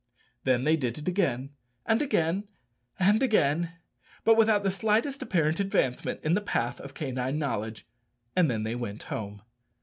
Then they did it again, and again, and again, but without the slightest apparent advancement in the path of canine knowledge; and then they went home.